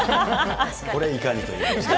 これいかにという。